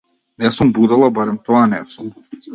Не сум будала, барем тоа не сум.